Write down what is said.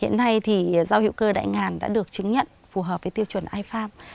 hiện nay thì rau hữu cơ đại ngàn đã được chứng nhận phù hợp với tiêu chuẩn i farm